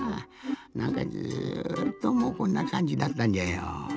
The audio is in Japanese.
なんかずっともうこんなかんじだったんじゃよ。